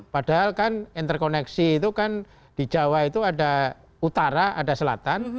padahal kan interkoneksi itu kan di jawa itu ada utara ada selatan